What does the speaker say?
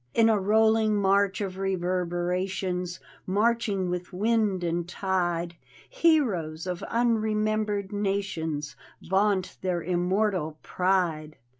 In a rolling march of reverberations, Marching with wind and tide, Heroes of unrcmembcred nations Vaunt their immortal pride.